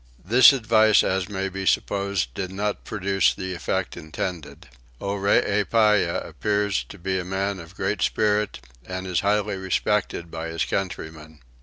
This advice as may be supposed did not produce the effect intended. Oreepyah appears to be a man of great spirit, and is highly respected by his countrymen.